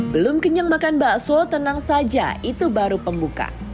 belum kenyang makan bakso tenang saja itu baru pengguka